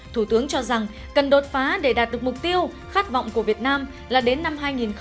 thủ tướng cho rằng cần đột phá để đạt được mục tiêu khát vọng của việt nam là đến năm hai nghìn năm mươi